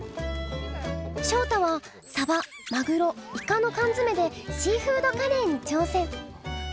ショウタはサバマグロイカの缶詰でシーフードカレーに挑戦。